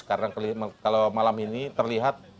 karena kalau malam ini terlihat